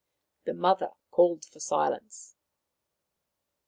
The mother called for silence.